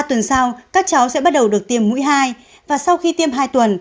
ba tuần sau các cháu sẽ bắt đầu được tiêm mũi hai và sau khi tiêm hai tuần